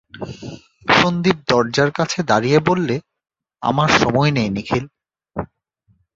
সন্দীপ দরজার কাছে দাঁড়িয়ে বললে, আমার সময় নেই নিখিল।